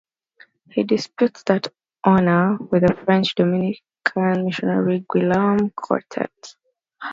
He disputes that honour with the French Dominican missionary Guillaume Courtet.